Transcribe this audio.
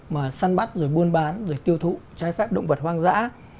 mà săn bắt buôn bán tiêu thụ trái phép động vật hoang dã